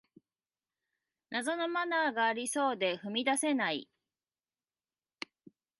謎のマナーがありそうで踏み出せない